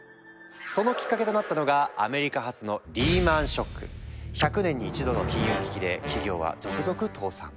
そのきっかけとなったのがアメリカ発の１００年に一度の金融危機で企業は続々倒産。